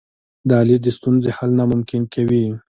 دا لید د ستونزې حل ناممکن کوي.